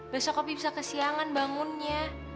besok kopi bisa kesiangan bangunnya